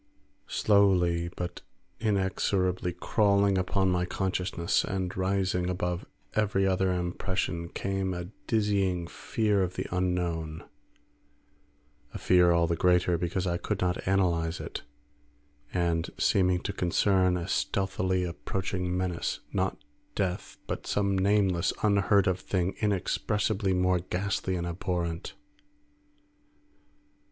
Slowly but inexorably crawling upon my consciousness and rising above every other impression, came a dizzying fear of the unknown; a fear all the greater because I could not analyse it, and seeming to concern a stealthily approaching menace; not death, but some nameless, unheard of thing inexpressibly more ghastly and abhorrent.